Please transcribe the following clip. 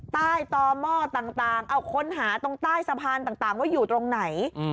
ใต้ต่อหม้อต่างเอาค้นหาตรงใต้สะพานต่างว่าอยู่ตรงไหน